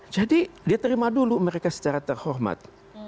jadi dia terima dulu mereka secara terhormat